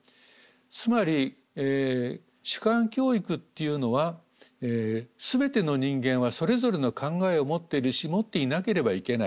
つまり主観教育っていうのは全ての人間はそれぞれの考えを持ってるし持っていなければいけない。